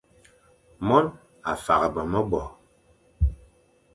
Mone a faghbe nya mebo,